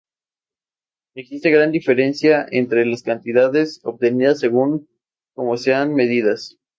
Existe gran diferencia entre las cantidades obtenidas según cómo sean medidas.